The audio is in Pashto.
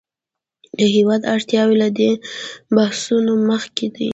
د هېواد اړتیاوې له دې بحثونو مخکې دي.